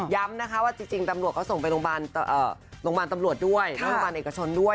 ย้ำนะครับว่าจริงตำรวจเขาส่งไปโรงพยาบาลอากาชลด้วย